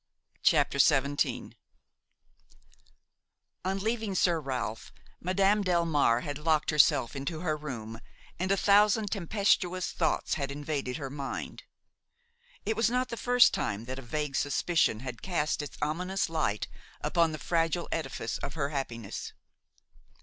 PART THIRD XVII On leaving Sir Ralph, Madame Delmare had locked herself into her room, and a thousand tempestuous thoughts had invaded her mind. It was not the first time that a vague suspicion had cast its ominous light upon the fragile edifice of her happiness.